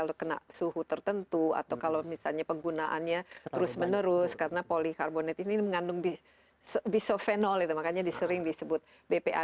bisa sedikit lebih stabil kalau kena suhu tertentu atau kalau misalnya penggunaannya terus menerus karena polikarbonat ini mengandung bisofenol itu makanya disering disebut bpa